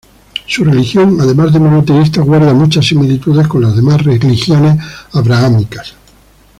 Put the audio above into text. Su religión además de monoteísta guarda muchas similitudes con las demás religiones abrahámicas.